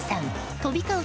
飛び交う